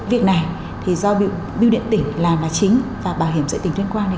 việc này thì do bưu điện tỉnh làm là chính và bảo hiểm dạy tỉnh tuyên quang